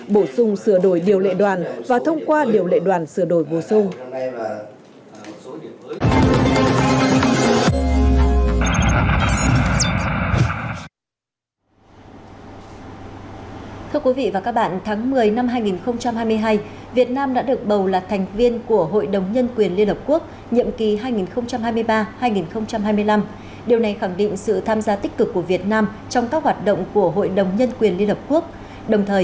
bổ sung sửa đổi điều lệ đoàn và thông qua điều lệ đoàn sửa đổi bổ sung